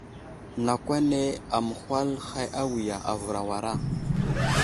Nakw ane aməhwal hay awiya, avər awara.